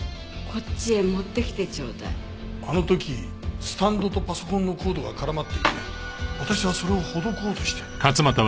あの時スタンドとパソコンのコードが絡まっていて私はそれをほどこうとして。